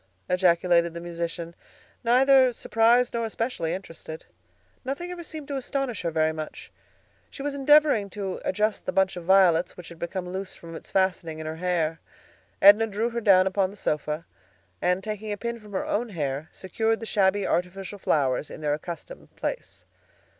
ejaculated the musician, neither surprised nor especially interested. Nothing ever seemed to astonish her very much. She was endeavoring to adjust the bunch of violets which had become loose from its fastening in her hair. Edna drew her down upon the sofa, and taking a pin from her own hair, secured the shabby artificial flowers in their accustomed place.